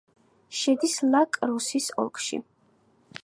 შედის ლა-კროსის ოლქში.